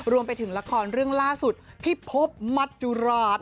รวมไปถึงละครเรื่องล่าสุดพี่พบมัจจุราช